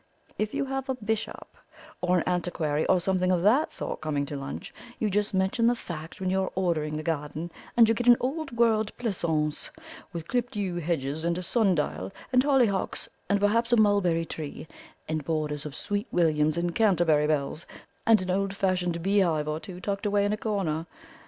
If you have a bishop or an antiquary or something of that sort coming to lunch you just mention the fact when you are ordering the garden, and you get an old world pleasaunce, with clipped yew hedges and a sun dial and hollyhocks, and perhaps a mulberry tree, and borders of sweet williams and Canterbury bells, and an old fashioned beehive or two tucked away in a corner.